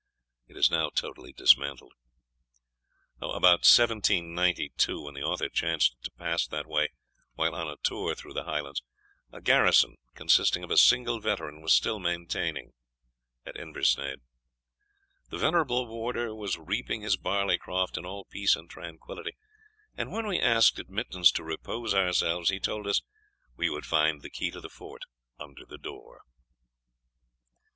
It is now totally dismantled.* * About 1792, when the author chanced to pass that way while on a tour through the Highlands, a garrison, consisting of a single veteran, was still maintained at Inversnaid. The venerable warder was reaping his barley croft in all peace and tranquillity and when we asked admittance to repose ourselves, he told us we would find the key of the Fort under the door.